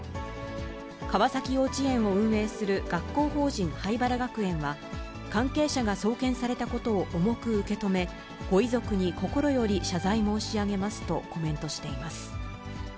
川崎幼稚園を運営する学校法人榛原学園は、関係者が送検されたことを重く受け止め、ご遺族に心より謝罪申し上げますとコメントし